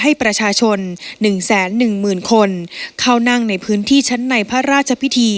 ให้ประชาชนหนึ่งแสนหนึ่งหมื่นคนเข้านั่งในพื้นที่ชั้นในพระราชพิธี